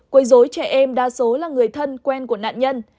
quấy dối trẻ em đa số là người thân quen của nạn nhân